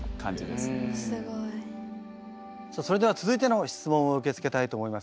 さあそれでは続いての質問を受け付けたいと思います。